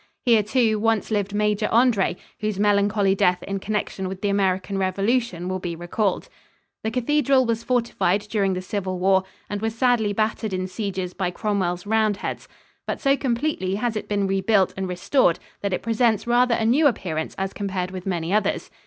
Here, too, once lived Major Andre, whose melancholy death in connection with the American Revolution will be recalled. The cathedral was fortified during the civil war and was sadly battered in sieges by Cromwell's Roundheads; but so completely has it been rebuilt and restored that it presents rather a new appearance as compared with many others.